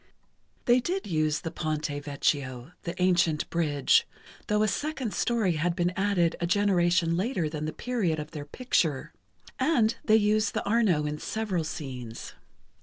They did use the Ponte Vecchio, the ancient bridge, though a second story had been added a generation later than the period of their picture. And they used the Arno in several scenes.